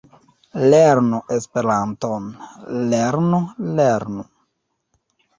Lernu Esperanton! Lernu! Lernu!